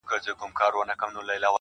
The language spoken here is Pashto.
• زما د هر شعر نه د هري پيغلي بد راځي.